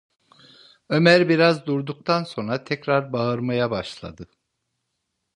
Ömer biraz durduktan sonra tekrar bağırmaya başladı: